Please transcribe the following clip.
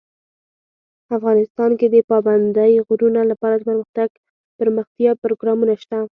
افغانستان کې د پابندی غرونه لپاره دپرمختیا پروګرامونه شته.